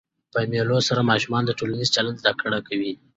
په مېلو سره ماشومان د ټولنیز چلند زده کړه کوي.